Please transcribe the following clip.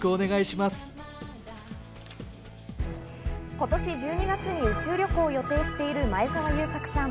今年１２月に宇宙旅行を予定している前澤友作さん。